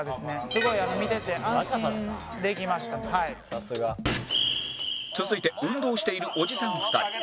続いて運動をしているおじさん２人